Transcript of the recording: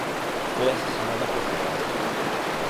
Fue asesinada por su padre.